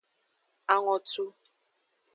Angotu.